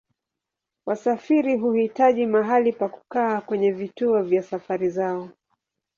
Wasafiri huhitaji mahali pa kukaa kwenye vituo vya safari zao.